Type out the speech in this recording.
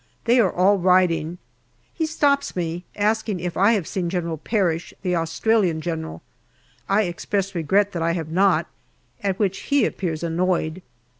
They are all riding. He stops me, asking if I have seen General Parish, the Australian General. I express regret that I have not, at which he appears annoyed.